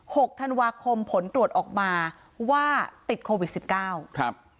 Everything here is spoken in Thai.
หกธันวาคมผลตรวจออกมาว่าติดโควิดสิบเก้าครับ